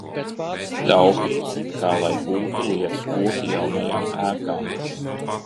Taupīja it kā lai būtu lietas koki jaunajām ēkām.